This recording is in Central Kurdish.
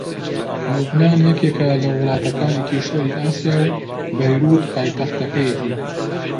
لوبنان یەکێکە لە وڵاتەکانی کیشوەری ئاسیا و بەیرووت پایتەختەکەیەتی